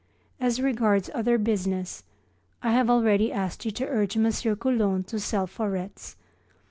As regards other business, I have already asked you to urge M. Coulon to sell Foretz.